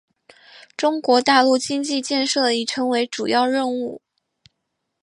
中国大陆经济建设已成为主要任务。